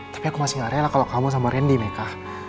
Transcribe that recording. tapi aku masih gak rela kalau kamu sama randy meka